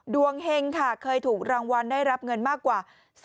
เฮงค่ะเคยถูกรางวัลได้รับเงินมากกว่า